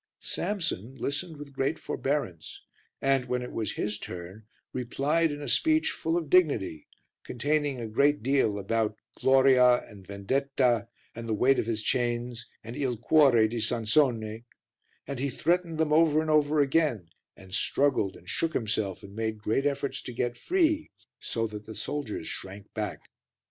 Samson listened with great forbearance and, when it was his turn, replied in a speech full of dignity, containing a great deal about gloria and vendetta and the weight of his chains and il cuore di Sansone, and he threatened them over and over again, and struggled and shook himself and made great efforts to get free, so that the soldiers shrank back.